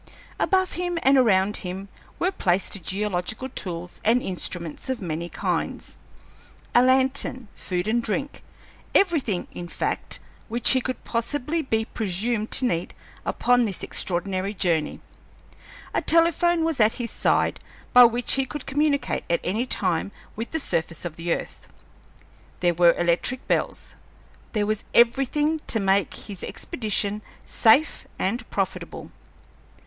Above him and around him were placed geological tools and instruments of many kinds; a lantern, food and drink; everything, in fact, which he could possibly be presumed to need upon this extraordinary journey. A telephone was at his side by which he could communicate at any time with the surface of the earth. There were electric bells; there was everything to make his expedition safe and profitable.